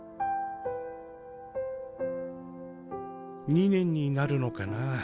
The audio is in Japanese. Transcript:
２年になるのかな。